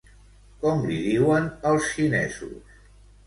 Com li diuen els xinesos?